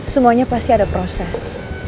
semuanya pasti ada proses